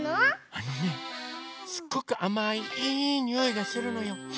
あのねすごくあまいいいにおいがするのよ。